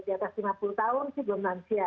di atas lima puluh tahun sih belum nanti ya